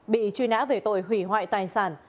bị truy nã về tội hủy hoại tài sản